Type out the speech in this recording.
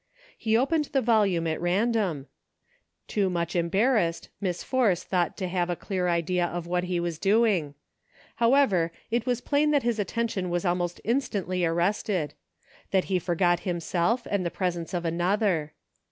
He opened the volume at random ; too much embarrassed, Miss Force thought to have a clear idea of what he was doing. However, it was EXPERIMENTS. ' I 53 plain that his attention was almost instantly ar rested ; that he forgot himself and the presence of another.